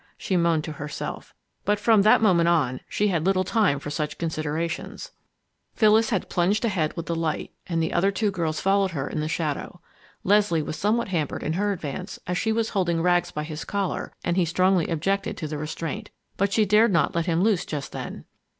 she moaned to herself. But from that moment on, she had little time for such considerations. Phyllis had plunged ahead with the light, and the two other girls followed her in the shadow. Leslie was somewhat hampered in her advance, as she was holding Rags by his collar and he strongly objected to the restraint. But she dared not let him loose just then.